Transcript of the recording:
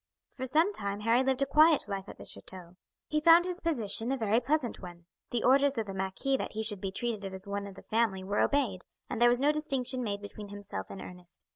For some time Harry lived a quiet life at the chateau. He found his position a very pleasant one. The orders of the marquis that he should be treated as one of the family were obeyed, and there was no distinction made between himself and Ernest.